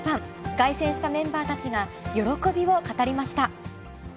凱旋したメンバーたちが喜びを語りました。